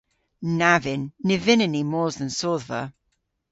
Na vynn. Ny vynnyn ni mos dhe'n sodhva